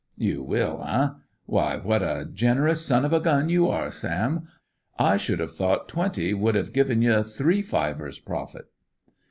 "You will, eh? Why, what a generous son of a gun you are, Sam! I should've thought twenty would've given you three fivers profit."